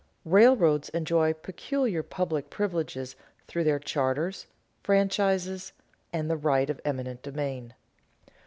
_Railroads enjoy peculiar public privileges through their charters, franchises, and the right of eminent domain.